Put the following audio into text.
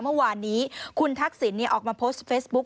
เมื่อวานนี้คุณทักษิณออกมาโพสต์เฟซบุ๊ค